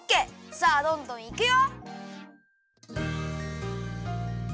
さあどんどんいくよ！